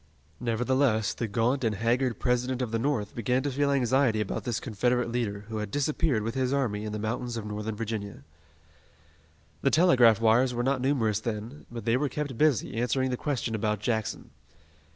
Nevertheless, the gaunt and haggard President of the North began to feel anxiety about this Confederate leader who had disappeared with his army in the mountains of Northern Virginia. The telegraph wires were not numerous then, but they were kept busy answering the question about Jackson.